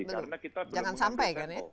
jangan sampai kan ya